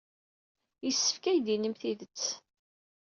Yessefk ad iyi-d-tinim tidet.